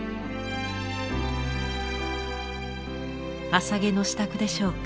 朝げの支度でしょうか。